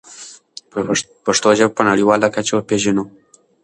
پښتو ژبه په نړیواله کچه وپېژنو.